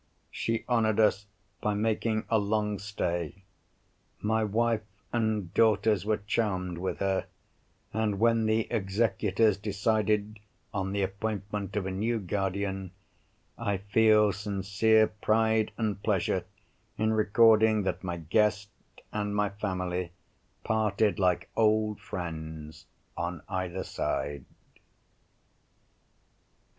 She honoured us by making a long stay. My wife and daughters were charmed with her; and, when the executors decided on the appointment of a new guardian, I feel sincere pride and pleasure in recording that my guest and my family parted like old friends, on either side.